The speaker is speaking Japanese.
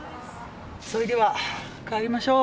それでは帰りましょう。